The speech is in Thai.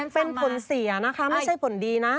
เป็นผลเสียนะคะไม่ใช่ผลดีนะ